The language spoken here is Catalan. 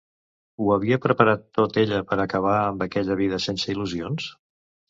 Ho havia preparat tot ella per a acabar amb aquella vida sense il·lusions?